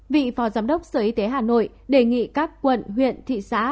vị phó giám đốc sở y tế hà nội đề nghị các quận huyện thị xã